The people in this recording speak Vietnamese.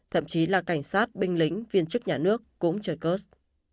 thậm chí là cảnh sát binh lính viên chức nhà nước cũng chơi cơ sở